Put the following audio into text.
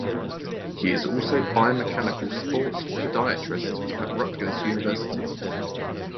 He is also Biomechanical Sports Podiatrist at Rutgers University.